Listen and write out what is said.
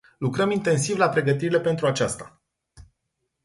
Lucrăm intensiv la pregătirile pentru aceasta.